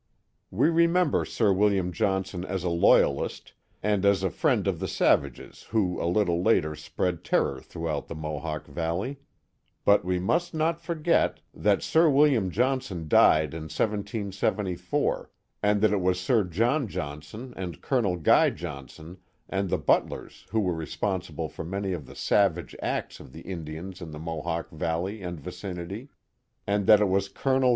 We remember Sir William Johnson as a loyalist, and as a friend of the savages who a little later spread terror through out the Mohawk Valley. But we must not forget that Sir Sir William Johnson 1 1 7 William Johnson died in 1774, and that it was Sir John John son and Col. Guy Johnson and the Butlers who were respon sible for many of the savage acts of the Indians in the Mohawk Valley and vicinity, and that it was Col.